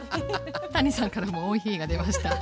谷さんからも「おいひー」が出ました。